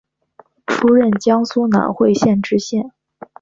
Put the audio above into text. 出任江苏南汇县知县。